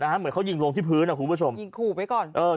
นะฮะเหมือนเขายิงลงที่พื้นอะคุณผู้ชมยิงคู่ไว้ก่อนเออ